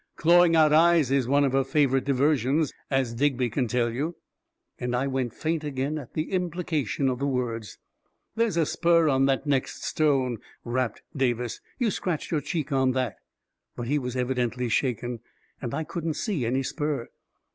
Clawing out eyes is one of her favorite diversions — as Digby can tell you !" And I went faint again at the implication of the words ..." There's a spur on that next stone," rapped Da vis. " You scratched your cheek on that I " But he was evidently shaken — and I couldn't see any spur